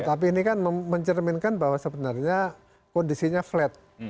tapi ini kan mencerminkan bahwa sebenarnya kondisinya flat